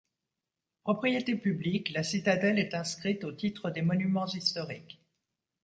Propriété publique, la citadelle est inscrite au titre des Monuments historiques.